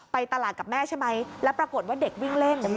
ไปตลาดกับแม่ใช่ไหมแล้วปรากฏว่าเด็กวิ่งเล่น